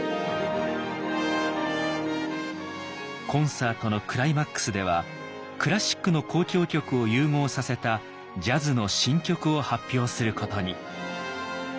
コンサートのクライマックスではクラシックの交響曲を融合させたジャズの新曲を発表することに。